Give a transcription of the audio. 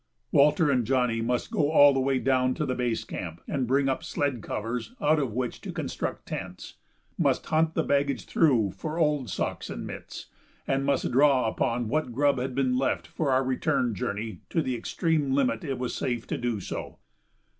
Walter and Johnny must go all the way down to the base camp and bring up sled covers out of which to construct tents, must hunt the baggage through for old socks and mitts, and must draw upon what grub had been left for the return journey to the extreme limit it was safe to do so.